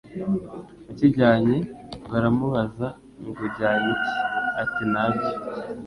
ukijyanye baramubaza ngo Ujyanye iki? Ati Nta cyo